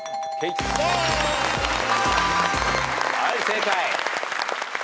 はい正解。